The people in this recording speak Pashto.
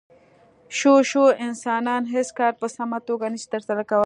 شو شو انسانان هېڅ کار په سمه توګه نشي ترسره کولی.